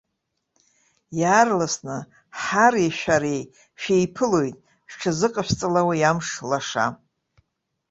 Иаарласны ҳари шәареи шәеиԥылоит, шәҽазыҟашәҵала уи амш лаша!